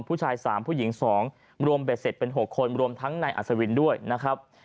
ผู้ชาย๓ผู้หญิง๒รวมเบ็ดเสร็จเป็น๖คนรวมทั้งนายอัศวินด้วยนะครับ